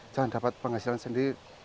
jangan dapat penghasilan sendiri